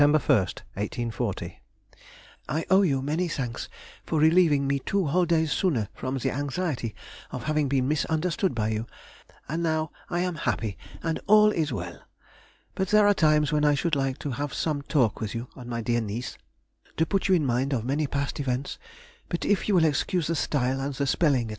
1, 1840._ ... I owe you many thanks for relieving me two whole days sooner from the anxiety of having been misunderstood by you, and now I am happy, and all is well! But there are times when I should like to have some talk with you or my dear niece, to put you in mind of many past events, but if you will excuse the style and the spelling, &c.